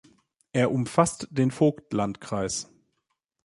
Er umfasst den Vogtlandkreis.